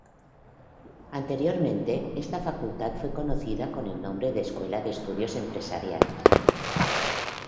Anteriormente, esta facultad fue conocida con el nombre de Escuela de Estudios Empresariales.